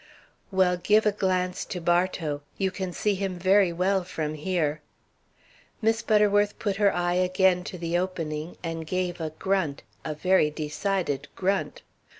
'" "Well, give a glance to Bartow. You can see him very well from here." Miss Butterworth put her eye again to the opening, and gave a grunt, a very decided grunt.